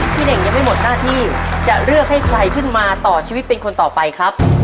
เน่งยังไม่หมดหน้าที่จะเลือกให้ใครขึ้นมาต่อชีวิตเป็นคนต่อไปครับ